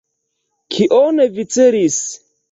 Kion vi celis?